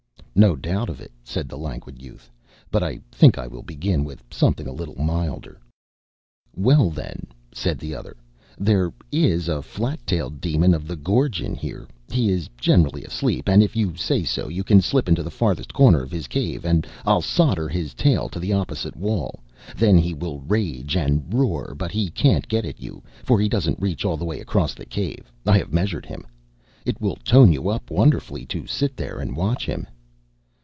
"No doubt of it," said the Languid Youth; "but I think I will begin with something a little milder." "Well then," said other, "there is a flat tailed Demon of the Gorge in here. He is generally asleep, and, if you say so, you can slip into the farthest corner of his cave, and I'll solder his tail to the opposite wall. Then he will rage and roar, but he can't get at you, for he doesn't reach all the way across his cave; I have measured him. It will tone you up wonderfully to sit there and watch him."